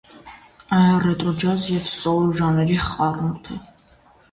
Այն ռետրո ջազ և սոուլ ժանրերի խառնուրդ է։